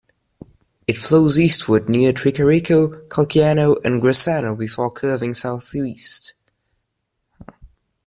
It flows eastward near Tricarico, Calciano, and Grassano before curving southeast.